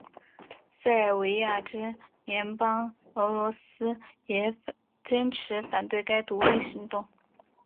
塞尔维亚之盟邦俄罗斯也坚持反对该独立行动。